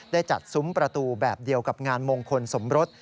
ได้จัดซุ้มประตูแบบเดียวกับงานมงคลสมรส